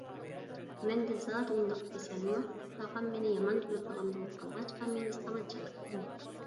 مەندە زادى ئۇنداق كېسەل يوق؛ تاغام مېنى يامان كۆرىدىغان بولۇپ قالغاچقا، مېنى ساڭا چېقىپتۇ.